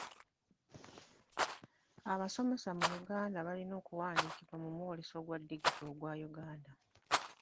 Abasomesa mu Uganda balina okuwandiikibwa mu mwoleso gwa digito ogwa Uganda.